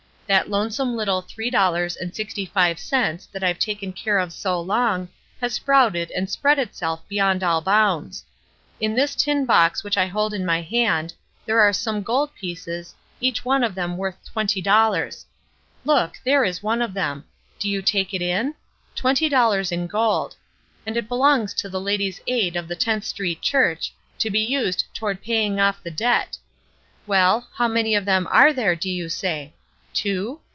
That lonesome little three dollars and sixty five cents that I've taken care of so long has sprouted and spread itself beyond all bounds. In this tin box which I hold in my hand there are some gold pieces, each one of them worth twenty dollars. Look, there is one of them. Do you take it in? Twenty dollars in gold. And it belongs to the Ladies' Aid of the Tenth Street Church to be used toward paying off the debt. Well, how many of them are there, do you say. Two?